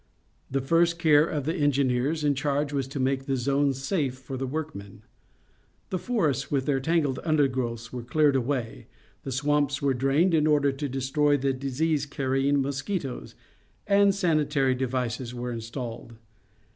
The first care of the engineers in charge was to make the zone safe for the workmen. The forests with their tangled undergrowths were cleared away, the swamps were drained in order to destroy the disease carr^ ing mosquitoes, and sanitary devices were installed.